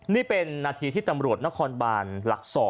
นี่เป็นนาทีที่ตำรวจนครบานหลัก๒